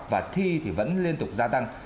và thi thì vẫn liên tục gia tăng